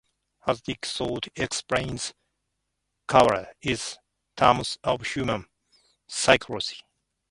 Hasidic thought explains Kabbalah in terms of human psychology.